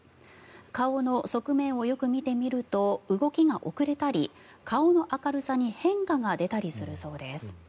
顔の側面をよく見てみると動きが遅れたり顔の明るさに変化が出たりするそうです。